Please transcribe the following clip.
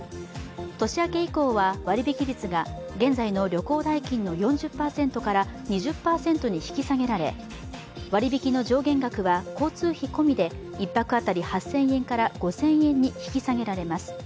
年明け以降は割引率が現在の旅行代金の４０％から２０％に引き下げられ割引の上限額は交通費込みで１泊当たり８０００円から５０００円に引き下げられます。